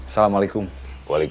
sampai jumpa lagi